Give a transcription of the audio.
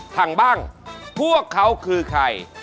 พังบ้างพวกเขาคือใคร